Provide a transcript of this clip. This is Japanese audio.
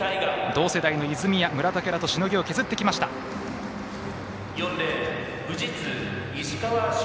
同世代の泉谷、村竹らとしのぎを削ってきました、横地。